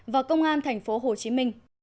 và công an tp hcm